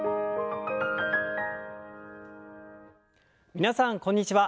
皆さんこんにちは。